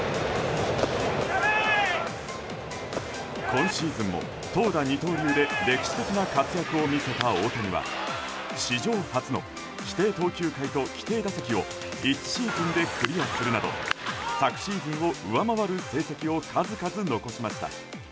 今シーズンも投打二刀流で歴史的な活躍を見せた大谷は史上初の規定投球回と規定打席を１シーズンでクリアするなど昨シーズンを上回る成績を数々残しました。